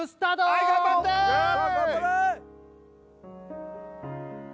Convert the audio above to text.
はい頑張ってさあ頑張れ！